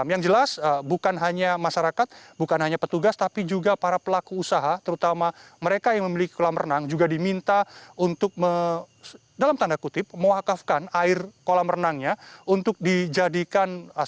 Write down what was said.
yang jelas bukan hanya masyarakat bukan hanya petugas tapi juga para pelaku usaha terutama mereka yang memiliki kolam renang juga diminta untuk dalam tanda kutip mewakafkan air kolam renangnya untuk dijadikan